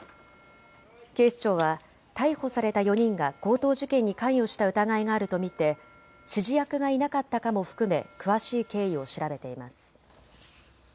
警視庁は逮捕された４人が強盗事件に関与した疑いがあると見て指示役がいなかったかも含め詳しい経緯を調べています。